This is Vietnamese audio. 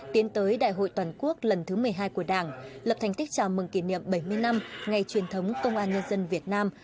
tiến tới đại hội toàn quốc lần thứ một mươi hai của đảng lập thành tích chào mừng kỷ niệm bảy mươi năm ngày truyền thống công an nhân dân việt nam